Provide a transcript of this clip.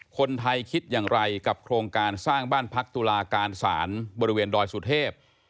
คนไทยคิดอย่างไรกับโครงการสร้างบ้านพักตุลาการศาลบริเวณดอยสุเทพ